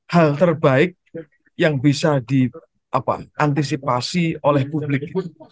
hal terbaik yang bisa diantisipasi oleh publik